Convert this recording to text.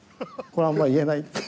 これはあんま言えない。